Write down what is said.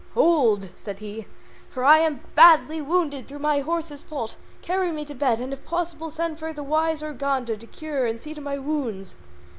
"Hold!" said he, "for I am badly wounded through my horse's fault; carry me to bed, and if possible send for the wise Urganda to cure and see to my wounds."